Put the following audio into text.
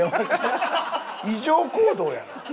異常行動やろ。